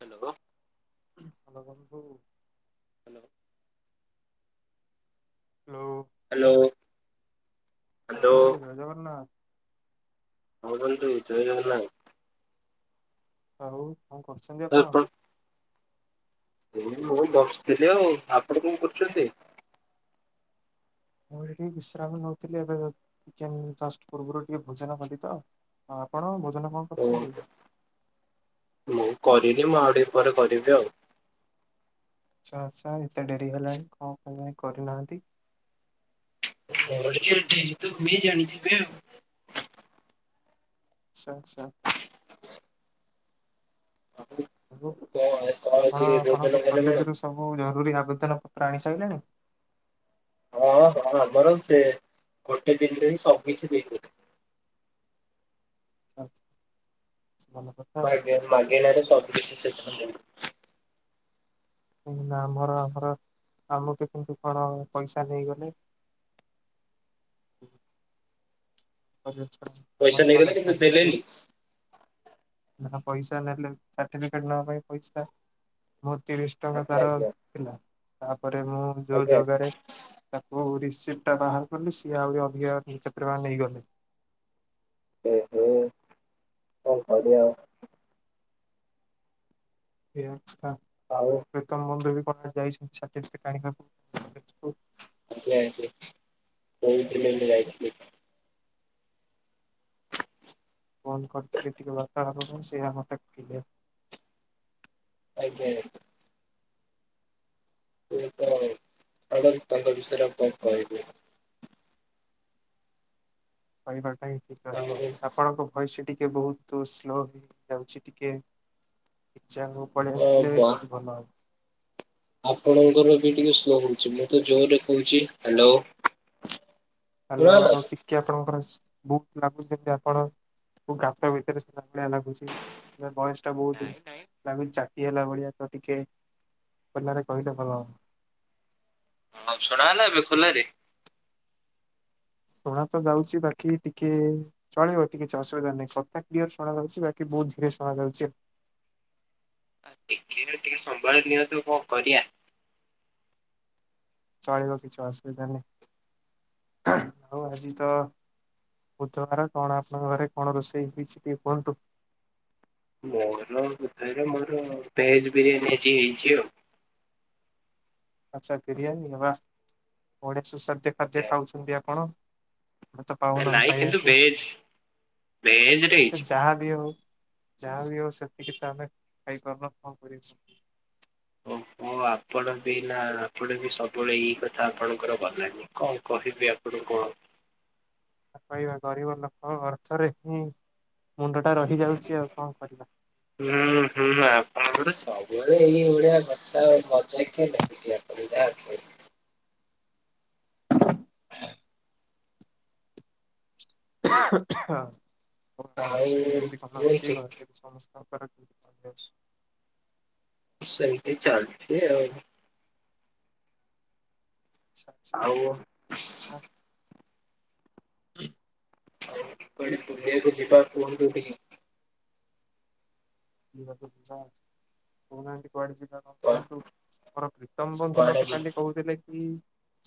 Hello. Hello ବନ୍ଧୁ। Hello. Hello hello. ସାଙ୍ଗମାନେ ଜୟ ଜଗନ୍ନାଥ। ହଁ ବନ୍ଧୁ ଜୟ ଜଗନ୍ନାଥ। ଆଉ କଣ କରୁଚନ୍ତି ଆପଣ? ହଁ ମୁଁ ବସିଥିଲି ଆଉ ଆପଣ କଣ କରୁଚନ୍ତି? ମୁଁ ଏଠି ବିଶ୍ରାମ ନଉଥିଲି ଏବେ ଟିକେ ଜଷ୍ଟ ପୂର୍ବରୁ ଟିକେ ଭୋଜନ କଲି ତ ଆପଣ ଭୋଜନ କଣ ଓହୋ କରିଚନ୍ତି? ଟିକେ ମୁଁ ଆଉଟିକେ ପରେ କରିବି ଆଉ ଆଛା ଆଛା ଏତେ ଡେରି ହେଲାଣି କଣ ପାଇଁ ଏଯାଏଁ କରିନାହାନ୍ତି? [unintelligible] ଜାଣିଥବେ ଆଉ ଆଛା ଆଛା। ଓ କଣ କଣ ଆଜି ଆପଣ ଭୋଜନ ଆପଣଙ୍କ କଲେ କଣ? କଲେଜ ରୁ ସବୁ ଜରୁରୀ ଆବେଦନ ଖାଇ ସଇଲଣି ହଁ ହଁ ବରଂ ସେ ଗୋଟେ ଦିନରେ ହିଁ ସବୁ କିିଛି ଦେଇ ଆଚ୍ଛା ଭଲ କଥା ଆଜ୍ଞା ମାଗେଣାରେ ସବୁ କିଛି [unintelligible] ନା ଆମର ଆମର ଆମକୁ କିନ୍ତୁ କଣ ପଇସା ନେଇଗଲେ। କଲେଜ ଆମରି ପଇସା ନେଇଗଲେ କଲେଜ ଟା କିନ୍ତୁ ଦେଲେନି? ନା ପଇସା ନେଲେ ସାର୍ଟିଫିକେଟ ନବା ପାଇଁ ପଇସା ମୁଁ ତିରିଶ ଟଙ୍କା ଆଜ୍ଞା ତାର ଆଜ୍ଞା ଥିଲା, ତା ପରେ ମୁଁ ଯୋଉ ଆଜ୍ଞା। ଜଗାରେ ତାକୁ ରି ସିଟ ଟା ବାହାର କଲି ସିଏ ଆହୁରି ଅଧିକା କେତେ ଟଙ୍କା ନେଇଗଲେ। ଓ ହୋ କଣ କରିବା। ଓ ଆଛା ଆଉ ପ୍ରୀତମ ବନ୍ଧୁ ବି କଲେଜ ଯାଇଚନ୍ତି ସାଟିଫିକେଟ୍ ଆଣିବାକୁ। [unintelligible] ଯାଇଥିଲି। ବନ୍ଦ କରିଥିଲେ ଟିକେ [unintelligible] ସେଇଆ ମତେ କହିଲେ। [inaudible] ସିଏ ତ ଛାଡ଼ନ୍ତୁ ତାଙ୍କ ବିଷୟରେ ଆଉ କଣ କହିବୁ। କହିବାଟା ହିଁ ଠିକ ଆଉ ରହିବ। ଆପଣଙ୍କ ଭୟସଟା ଟି ବହୁତୁ ସ୍ଲୋ ହେଇ ଯାଉଛି ଟିକେ। ଯାହା ହୋଉ ପଳେଇ ଅ ମ ଆସିଲେ ଟିକେ ଭଲ ହବ। ଆପଣଙ୍କର ବି ଟିକେ ସ୍ଲୋ ହୋଉଚି। ମୁଁ ତ ଜୋରେ କୋହୁଚି ହାଲୋ। ହାଲୋ ଆଉ ଟିକେ ଆପଣଙ୍କର ସ [unintelligible] ଲାଗୁଚି ଯେମିତି ଆପଣ କୋଉ ଗାତ ଭିତରେ ଥିଲା ଭଳିଆ ଲାଗୁଚି। ଭଏସ ଟା ବୋହୁତ୍ ଲାଗୁଚି ଚାଟି ହେଲା ଭଳିଆ ତ ଟିକେ ଖୋଲାରେ କହିଲେ ଭଲ ହବ। ହଁ ଶୁଣା ହେଲା ଏବେ ଖୋଲାରେ? ଶୁଣା ତ ଯାଉଚି ବାକି ଟିକେଚଳିବ ଟିକେ କିଛି ଅସୁବିଧା ନାହିଁ। କଥା କ୍ଳିଅର ଶୁଣା ଯାଉଚି ବାକି ହୁତ୍ ଧୀରେ ଶୁଣାଯାଉଚି। ଆ ଟିକେ ତ ଟିକେ ସମ୍ଭାଳି ନିଅନ୍ତୁ କଣ କରିଆ। ଚଳିବ କିଛି ଅସୁବିଧା ନାହିଁ, ଆଉ ଆଜି ତ ବୁଧବାର, କଣ ଆପଣଙ୍କ ଘରେ କଣ ରୋଷେଇ ହେଇଛି କି କୁହନ୍ତୁ? ମୋର ବୋଧେ, ମୋର ଭେଜ ବିରିୟାନି ଆଜି ହେଇଛି ଆଉ ଆଛା ବିରିୟାନୀ ହେବା, ବଢିଆ ସୁସ୍ୱାଦୁ ଏ, ଖାଦ୍ୟ ଖାଉଛନ୍ତି ଆପଣ। ଆମେ ତ ପାଉନାହୁଁ ନାଇଁ କିନ୍ତୁ ଖାଇବାକୁ, ଭେଜ ଭେଜ ରେ ସେ ହେଇଛି ମ। ଯାହା ବି ହଉ ଯାହା ବିି ହଉ, ସେତିକି ତ ଆମେ ଖାଇ ପାରୁନୁ କଣ କରିବୁ। ହଉ। ହଁ, ଆପଣ ବି ନା ଆପଣ ବି ସବୁବେଳେ ଏଇ କଥା, ଆପଣଙ୍କର ଗଲାନି କଣ କହିବି ଆପଣଙ୍କୁ? [inaudible] କହିବା ଗରିବ ଲୋକଙ୍କ ଅର୍ଥରେ ହିଁ ମୁଣ୍ଡ ଟା ରହି ଯାଉଛି, ଆଉ କଣ କରିବା? ହୁଁ ହୁଁ ଆପଣଙ୍କର ସବୁବେଳେ ଏଇ ଭଳିଆ କଥା ମଜାକିଆ ଲୋକଟି ଆ [inaudible] [inaudible] ଆହଁ ଆହଁ। ଆଉ ନୁହେଁ କି? ଆପଣ [unintelligible] ସେମିତି ଚାଲଛି ଆଉ। ଆଛା ଆଉ ଆଛା। ହଁ ଆଉ କୁଆଡେ ବୁଲିବାକୁ ଯିବା କୁହନ୍ତୁ ଟିକେ। କୁଆଡେ ଯିବା, କହୁ ନାହାନ୍ତି। କୁଆଡେ ଯିବା କ କୁହନ୍ତୁ, ଆମର ପ୍ରୀତମ ବନ୍ଧୁ କୁଆଡେ ମତେ କାଲି କହୁଥିଲେ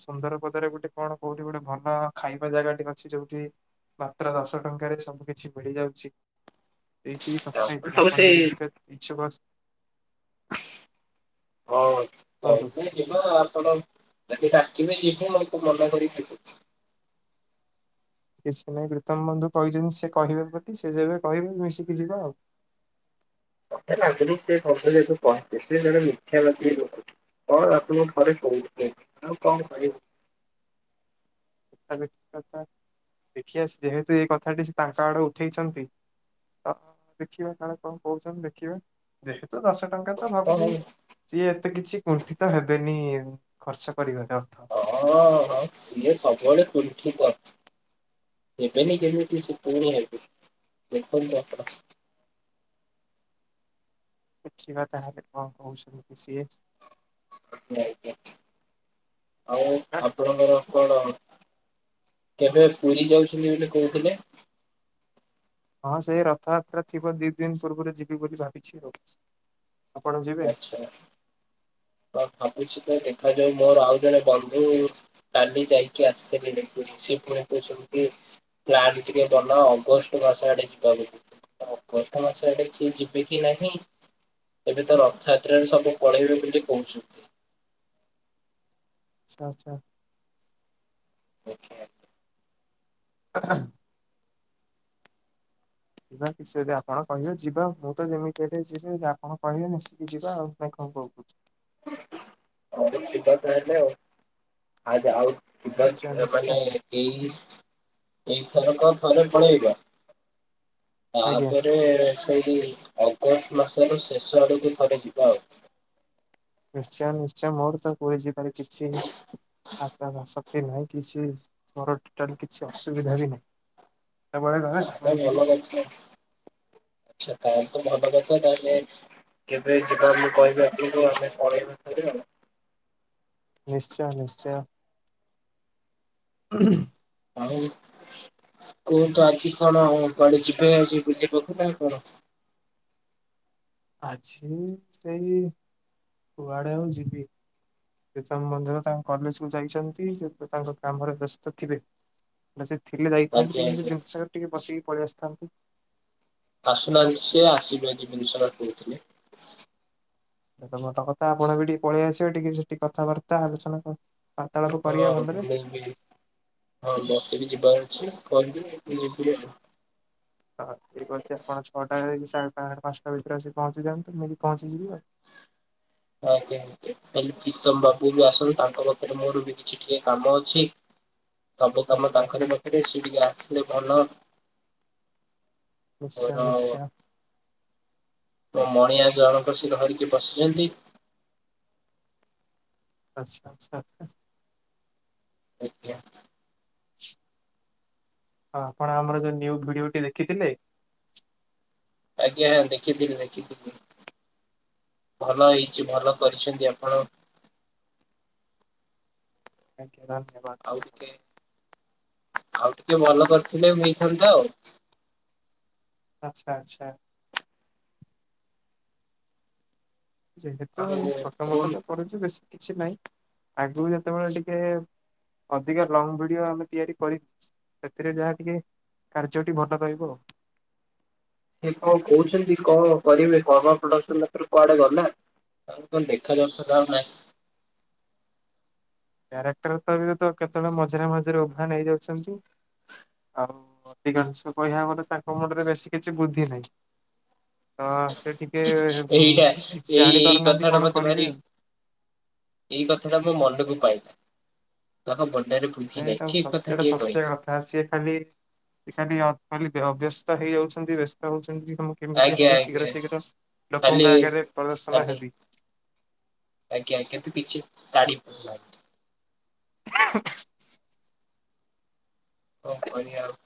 ସୁନ୍ଦର ପଦରେ ଗୋଟେ କଣ କୋଉଠି ଗୋଟେ ଭଲ ଖାଇବା ଜାଗା ଟେ ଅଛି ଯୋଉଠି ମାତ୍ର ଦଶ ଟଙ୍କାରେ ସବୁ କିିଛି ମିଳିଯାଉଛି। ଏଇଠି କଥା ହେଇଥିଲା ସବୁ ଆପଣ ସେଇ ଯଦି ଯିବାକୁ ଇଛୁକ ଅ ହଁ ତ କୁହନ୍ତୁ ଯିବା ଆପଣ ଯଦି ଡା ତୁମେ ଯିବ ମତେ ମନା କରିି [unintelligible] କିଛି ନାହିଁ ପ୍ରୀତମ ବନ୍ଧୁ କହିଛନ୍ତି ସେ କହିବେ ବୋଲି, ସେ ଯେବେ କହିବେ ମିଶିକି ଯିବା ଆଉ। [unintelligible] ସେ ଜଣେ ମିଥ୍ୟା ବ୍ୟକ୍ତି ଅଟନ୍ତି। କଣ ଆପଣ ଥରେ କହୁଥିଲେ, ଆଉ କଣ କହିବି। ଏଟା ବି ଠିକ କଥା ଦେଖିଆସି ଯେହେତୁ ଏଇ କଥା ସେ ତାଙ୍କ ଆଡୁ ଉଠେଇଛନ୍ତି। ତ ଦେଖିବା କାଳେ କଣ କହୁଛଛନ୍ତି ଦେଖିବା, ଦେଖ। ତ ଦଶ ଟଙ୍କା ତ ଭାବୁଛି, ହଁ ସିଏ ଏତେ କିଛି କୁଣ୍ଠିତ ହେବେନି ଖର୍ଚ୍ଚ କରିବାରେ ଅର୍ଥ ହଁ ହଁ ସିଏ ସବୁବେଳେ କୁଣ୍ଠିତ। ଦେବେନି କେମିତି ସେ ପୁଣି ଏବେ, ଦେଖନ୍ତୁ ଆପଣ। ଦେଖିବା ତାହାଲେ କଣ କହୁଛନ୍ତି ସିଏ। ଆଜ୍ଞା ଆଜ୍ଞା ଆଉ ଆପଣଙ୍କର? କଣ କେବେ ପୁରୀ ଯାଉଛନ୍ତି ବୋଲି କହୁଥିଲେ? ହଁ ସେ ରଥଯାତ୍ରା ଥିବା ଦୁଇ ଦିନ ପୂର୍ବରୁ ଯିବି ବୋଲି ଭାବିଛି ଆଉ। ଆପଣ ଯିବେ? ହଁ ଭାବୁଛି ତ ଦେଖାଯାଉ ମୋର ଆଉ ଜଣେ ବନ୍ଧୁ କାଲି ଯାଇକି ଆସିିଲେ ଦେଖୁ ସେ ପୁଣି କହୁଛନ୍ତି ପ୍ଲାନ୍ ଟିକେ ବନା ଅଗଷ୍ଟ ମାସ ଆଡେ ଯିବା ବୋଲି। ଅଗଷ୍ଟ୍ ମାସ ଆଡେ କିଏ ଯିବେ କି ନାହିଁ? ଏବେ ତ ରଥଯାତ୍ରାରେ ସବୁ ପଳେଇବେ ବୋଲି କହୁଛନ୍ତି। ଆଛା ଆଛା। ଆଛା ଆ ଆହଁ ଆହ। ଯିବା କିଛି ଯଦି ଆପଣ କହିବେ ଯିବା ମୁଁ ତ ଯେମିତି ହେଲେ ଯିବି, ଯଦି ଆପଣ କହିବେ ମିଶିକି ଯିବା ଆଉ ନା କଣ୍? କଣ୍ କହୁଚନ୍ତି? ଦସମିନିଟି କଥା ହେଲେ ଆଉ ଆ ଆଉ କିଟ ନିଶ୍ଚୟ ମାନେ ନିଶ୍ଚୟ ଏଇ ଏଥ ରକ [unintelligible] ତମେ ପଳେଇବ ଆଜ୍ଞା ତାପରେ ସେଇ ଅଗଷ୍ଟ ମାସର ଶେଷ ଆଡ଼କୁ ଥରେ ଯିବା ଆଉ। ନିଶ୍ଚୟ ନିଶ୍ଚୟ ମୋର ତ କୁହ ଯିବାରେ କିଛି। ଆତ୍ମର ବାସକ୍ତି ନାହିଁ କିଛିମୋର ଟୋଟାଲେ କିଛି ବିଅସୁବିଧା ବି ନାହିଁ। ସେତେବେଳେ ଗଲେ ସେତେବେଳେ ଯିବି ଭଲଛ ଆଛା ତାେଲେ ତ ଭଲ [unintelligible] ତାହେଲେ କେବେ ଯିବା ମୁଁ କହିବି ଆମେ ପଳେଇବୁିବ। ନିଶ୍ଚୟ ନିଶ୍ଚୟ। ଆଉ। କୁହ୍ନ୍ତୁ ଆଜି କଣ କୁଆଡେ ଯିବେ ଆଜି ବୁଲିବ ପାଖ ନା କଣ? ଆଜି ସେଇ କୁଆଡେ ଆଁଉ ଯିବି। ସେତାଙ୍କ ମନ୍ଦିର ତାଙ୍କ କଲେଜ କୁ ଯାଇଛନ୍ତି ସେ ତାଙ୍କ କାମରେ ବ୍ୟସ୍ତ ଥିବେ। ସେ ଥିଲେ ଯାଇଥାନ୍ତି ଆଜ୍ଞା ଆଜ୍ଞା ଟିକେମତି ଟିକେ ବସିକି ପଳେଇ ଆସିଥାନ୍ତି। ଆସୁନାଜି ସେ ଆସିବେ ଆଜି ବିନଶନା କରୁଥିଲେ। ଏଟ ବଡ କଥା ଆପଣ ବି ଟିକେ ପଳେଇ ଆସିବ ଟିକେ ସେଠିକେ କଥାବାର୍ତ୍ତା ଆଲୋଚନା। ବାର୍ତ୍ତାଳାପ ହଁ କରିବା ଭଲରେ ମି ବି ହଁ ମତେ ବି ଯିବା କଇ ଥି ନିବିଡ଼। ତ ଏ ଠିକ୍ ଅଛି ଆପଣ ଛଅଟା ସାଢେ ପାଞ୍ଚ ପାଞ୍ଚଟା ଭିତରେ ଆସି ପହଞ୍ଚି ଯାଆନ୍ତୁ ମୁଁ ବି ପହଞ୍ଚିଯିବି ଆଉ। [unintelligible] ଆଜ୍ଞା ଆ ଖାଲି କୀତମ ବାବୁ ଜୁ ଆସିଛନ୍ତି ତାଙ୍କ ପାଖରେ ମୋର ବି କିଛି ଟିକେ କାମ ଅଛି। ତମେ ତମ ଆଚ୍ଛା ଆଚ୍ଛା ତାଙ୍କରି ମତରେ ସେ ଟିକେ ଆସିଲେ ଭଲ। ନିଶ୍ଚୟ ମୋର ନିଶ୍ଚୟ। ମୋ ମଣିଆ ଜଣଙ୍କସିି ଧରିକି ବସିଛନ୍ତି। ଆଚ୍ଛା ଆଚ୍ଛା। ଆଜ୍ଞା। ହ ଆପଣ ଆମର ଯୋଉ ନିୟୁ ଭିଡିଓଟି ଦେଖିଥିଲେ? ଆଜ୍ଞା ହଁ ଦେଖିଥିଲି ଦେଖିଥିଲି। ଭଲ ହେଇଛି ଭଲ କରିଛନ୍ତି ଆପଣ ଆଉ ଧନ୍ୟବାଦ। ଟିକେ ଆଉ ଟିକେ ଭଲ କରିଥିଲେ ହୋଇଥାନ୍ତା ଆଉ। ଆଛା ଆଚ୍ଛା। ଯେହେତୁ ଆଉ ଛୋଟ କଣ ମୋଟ ତ କରଛି ବେଶୀ କିଛି ନାହିଁ ଆଗରୁ ଯେତେବେଳେ ଟିକେ ଅଧିକା ଲଙ୍ଗ ଭିଡିଓ ଆମେ ତିଆରି କରି ସେଥିରେ ଯାହା ଟିକେ କାର୍ଯ୍ୟଟି ଭଲ ରହିବ ଆଉ। ସେ ଙ୍କ କହୁଛନ୍ତି କଣ କରିବେ କର୍ମା ପ୍ରଡକ୍ସନ ତାପରେ କୁଆଡେ ଗଲା? ତାଙ୍କ ଦେଖା ଦର୍ଶନ ଆଉ ନାହିଁ। କ୍ୟାରେକ୍ଟର ତ ବି ତ କେତେବେଳେ ମଝିରେ ମଝିରେ ଉଭାନ୍ ହେଇ ଯାଉଛନ୍ତି ଆଉ। ଅଧିକାଂଶ କହିବାକୁ ଗଲେ ତାଙ୍କ ମୁଣ୍ଡରେ ବେଶୀ କିଛି ବୁଦ୍ଧି ନାହିଁ ତ ସେ ଟିକେ ଏଇଟା କିଛି ଏଇ ଜାଣି ଏଇ ପାରୁନାହାନ୍ତି କଥାଟା କଣ ମତେ ଭାରି କରିବେ ଆଉ। ଏଇ କଥା ଟା ମୋ ମନକୁ ପାଇବା ତାଖ। ନ ଏଇଟା ଏଇଟା ସତ୍ୟ କଥା ସିଏ ଖାଲି ସେ ଖାଲି ଖ ଅବ୍ୟସ୍ତ ହେଇଯାଉଛନ୍ତି ବ୍ୟସ୍ତ ହଉଛ ମୁଁ କେମିତି ଆଜ୍ଞା ଆଗେ ଆଜ୍ଞା ଶୀଘ୍ର ଶୀଘ୍ର ଖାଲି ଲୋକଙ୍କ ଆଗରେ ପ୍ରଦର୍ଶନ ଖାଲି ହେବି। ଆଜ୍ଞା ଆଜ୍ଞା ତୁ ପିଛେ ତାଡି ପଲାଗ୍। [unintelligible] ଙ୍କ କରିବା ଆଉ।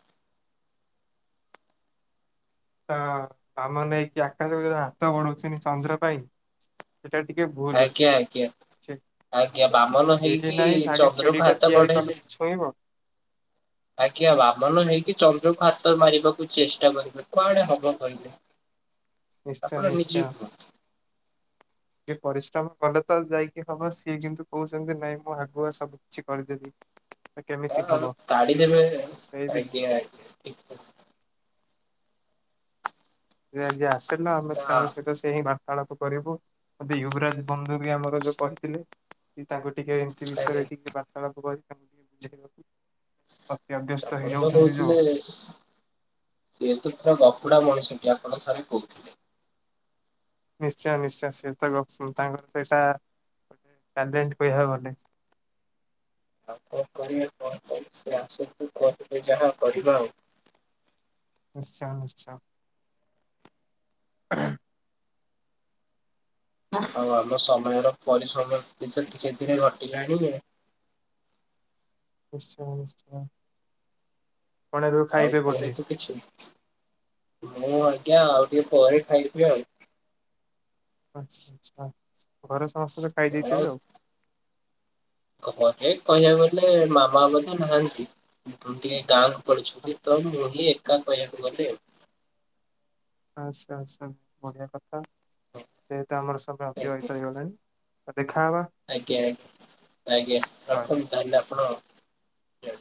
ତ ବାମନ ହେଇକି ଆକାଶକୁ ଯ ହାତ ବଢଉଛନ୍ତି ଚନ୍ଦ୍ର ପାଇଁ। ସେଟା ବି ଟିକେ ଭୁଲୁ ଆଜ୍ଞା ଆଜ୍ଞା। ସେ ଆଜ୍ଞା ବାମନ ଶିଢି ହେଇକି ନାଇଁ ଆଗେ ଚନ୍ଦ୍ରକୁ ଶିଢି ଟା ହାତ ତିଆରି ବଢେଇଲେ। କଲେ ତ ଛୁଇଁବ। ଆଜ୍ଞା ବାମନ ହେଇକି ଚନ୍ଦ୍ରକୁ ହାତର ମାରିବାକୁ ଚେଷ୍ଟା କରିବେ କୁଆଡେ ହବ କହିଲେ। ନିଶ୍ଚୟ ଆପଣ ନିଜେ ନିଶ୍ଚୟ କୁହନ୍ତୁ? ଟିକେ ପରିଶ୍ରମ କଲେ ତ ଯାଇକି ହବ ସିଏ କିନ୍ତୁ କୋହୁଚନ୍ତି ନାଇଁ ମୁଁ ଆଗୁଆ ସବୁ କିଛି କରିଦେବି। ତ କେମିତି ହଁ ହବ ତାଡ଼ି ଦେବେ ସେଇ ବିଷୟ ଆଜ୍ଞା ଆଜ୍ଞା ଠିକ୍ କଥା। ସେ ଆଜି ଆସିଲା ଆମେ ତାଙ୍କ ସହିତ ସେ ହିଁ ବା ର୍ତ୍ତାଳାପ କରିବୁ ମୋତେ ୟୁବରାଜ ବନ୍ଧୁ ବି ଆମର ଯୋଉ କହିଥିଲେ କି ତାଙ୍କୁ ଟିକେ ଏମିତି ଆଜ୍ଞା। ବିଷୟରେ ଟିକେ ବାର୍ତ୍ତାଳାପ କରି [unintelligible] ଆପଣ ଜଉ ହେଇଯାଉଛନ୍ତି ଯୋଉ କହୁଥିଲେ ଯେହେତୁ ପୁରା ଗପୁଡା ମଣିଷଟି ଆପଣ ଥରେ କହୁଥିଲେ। ନିଶ୍ଚୟ ନିଶ୍ଚୟ ସେ ଗପୁସିନ୍ତି ତାଙ୍କର ସେଇଟା ଟ୍ୟାଲେଣ୍ଟ କହିଆକୁ ଗଲେ। ଆଉ କଣ କରିବେ କୁହନ୍ତୁ ସେ ଆସନ୍ତୁ କହିବେ ଯାହା କରିବା ଆଉ। ନିଶ୍ଚୟ ନିଶ୍ଚୟ। ଆଉ ଆମ ସମୟର ପରିଶ୍ରମ କିଛି ଟିକେ ଟିକେ ଘଟିଲାନି ନିଶ୍ଚୟ ନିଶ୍ଚୟ। କଣ ଏବେ ଆଉ ଖାଇବେ ବୋଧେ କୁହନ୍ତୁ କିଛି ମୁଁ ଆ ଆଜ୍ଞା ଆଉ ଟିକେ ପରେ ଖାଇବି ଆଉ। ଆଛା ଆଛା ଘରେ ସମସ୍ତେ ତ ଖାଇ ଦେଇେଇଥିବେ ଆଉ। ଘରେ କହିବାକୁ ଗଲେ ମାମା ମଧ୍ୟ ନାହାନ୍ତି ଟିକେ ଗାଁକୁ କରୁଚନ୍ତି ତ ମୁଁ ହିଁ ଏକା କହିବାକୁ ଗଲେ ଆଉ। ଆଛା ଆଛା ବଢିଆ କଥା ଏବେ ଆମର ସମୟ ଆଜ୍ଞା ଅତିବାହିତ ହେଇଗଲାଣି। ତ ଦେଖାହବା ଆଜ୍ଞା ଆଜ୍ଞା ଆଜ୍ଞା ରଖନ୍ତୁ ତାହଲେ ଆପଣ ଆଉ